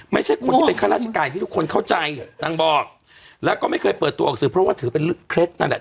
ไม่ใช่คนที่เป็นข้าราชการที่ทุกคนเข้าใจนางบอกแล้วก็ไม่เคยเปิดตัวออกสื่อเพราะว่าถือเป็นเคล็ดนั่นแหละ